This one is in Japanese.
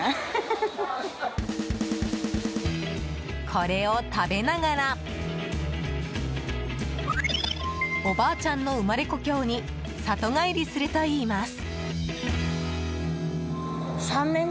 これを食べながらおばあちゃんの生まれ故郷に里帰りするといいます。